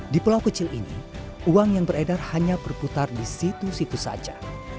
di pulau kecil ini uang yang beredar hanya berputar di situ situ saja